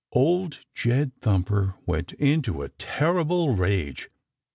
Old Jed Thumper went into a terrible rage.